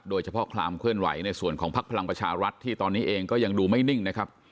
โดยเฉพาะความเคลื่อนไหวในส่วนของพักพลังประชารัฐที่ตอนนี้เองก็ยังดูไม่นิ่งนะครับ